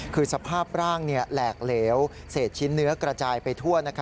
คือสภาพร่างแหลกเหลวเศษชิ้นเนื้อกระจายไปทั่ว